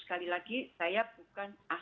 sekali lagi saya bukan ahli